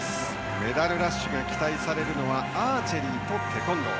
メダルラッシュが期待されるのはアーチェリーとテコンドー。